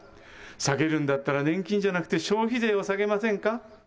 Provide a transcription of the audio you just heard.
下げるんだったら年金じゃなくて消費税を下げませんか。